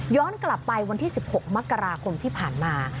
กลับไปวันที่๑๖มกราคมที่ผ่านมา